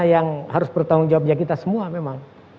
yang harus bertanggung jawabnya kita semua memang